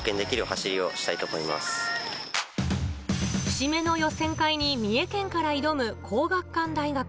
節目の予選会に三重県から挑む皇學館大学。